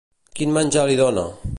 Quin menjar li dona?